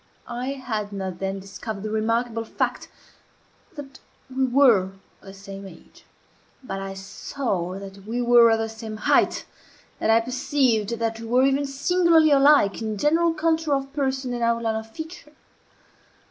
I had not then discovered the remarkable fact that we were of the same age; but I saw that we were of the same height, and I perceived that we were even singularly alike in general contour of person and outline of feature.